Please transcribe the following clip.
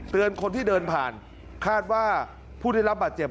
คนที่เดินผ่านคาดว่าผู้ได้รับบาดเจ็บ